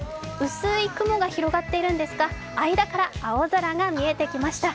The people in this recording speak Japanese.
薄い雲が広がっているんですが間から青空が見えてきました。